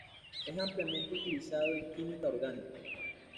Es ampliamente utilizado en química orgánica.